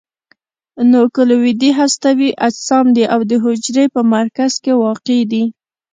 نوکلوئید هستوي اجسام دي او د حجرې په مرکز کې واقع دي.